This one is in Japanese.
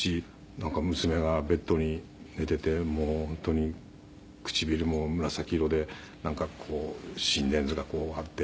「なんか娘がベッドに寝ていてもう本当に唇も紫色でなんかこう心電図があって」